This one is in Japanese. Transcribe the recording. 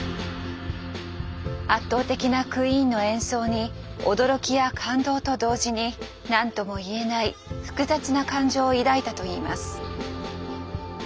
圧倒的なクイーンの演奏に驚きや感動と同時に何とも言えない複雑な感情を抱いたと言います。